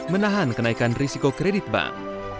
menahan kenaikan risiko kredit bank